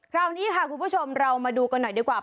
คราวนี้ค่ะคุณผู้ชมเรามาดูกันหน่อยดีกว่า